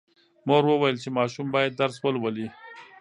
مور وویل چې ماشوم باید درس ولولي.